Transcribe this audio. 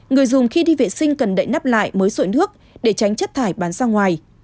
người dùng khi đi vệ sinh cần đậy nắp lại mới sội nước để tránh chất thải bán ra ngoài